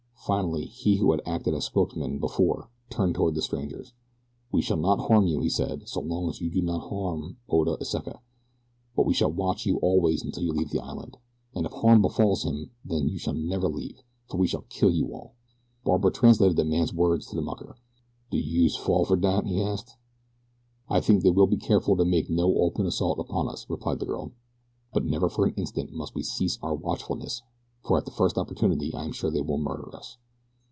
Finally he who had acted as spokesman before turned toward the strangers. "We shall not harm you," he said, "so long as you do not harm Oda Iseka; but we shall watch you always until you leave the island, and if harm befalls him then shall you never leave, for we shall kill you all." Barbara translated the man's words to the mucker. "Do youse fall fer dat?" he asked. "I think they will be careful to make no open assault upon us," replied the girl; "but never for an instant must we cease our watchfulness for at the first opportunity I am sure that they will murder us."